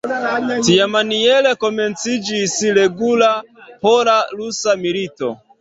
Tiamaniere komenciĝis regula pola-rusa milito.